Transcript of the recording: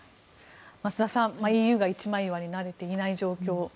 増田さん、ＥＵが一枚岩になれていない状況。